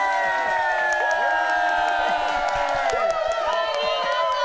ありがとう！